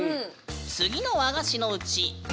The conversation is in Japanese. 次の和菓子のうち何それ。